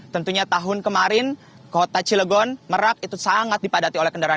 tentunya tahun kemarin kota cilegon merak itu sangat dipadati oleh kendaraan